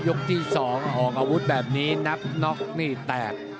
ยกที่๒ออกอาวุธแบบนี้นับน็อกนี่แตก